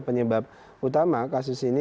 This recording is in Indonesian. penyebab utama kasus ini